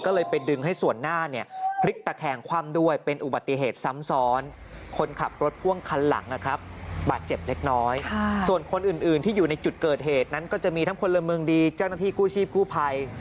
ก็จะมีทั้งคนเริ่มเมืองดีเจ้าหน้าที่คู่ชีพคู่ภัย